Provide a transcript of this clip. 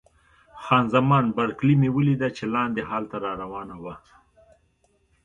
خان زمان بارکلي مې ولیده چې لاندې هال ته را روانه وه.